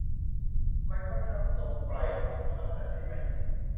มันค่อนข้างตรงไปตรงมานะ ใช่ไหม